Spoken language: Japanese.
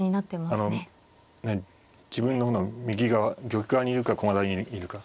あのね自分の方の右側玉側にいるか駒台にいるか。